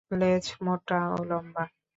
লেজ মোটা ও লম্বা।